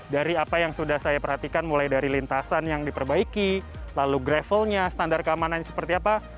dari apa yang sudah saya perhatikan mulai dari lintasan yang diperbaiki lalu gravelnya standar keamanannya seperti apa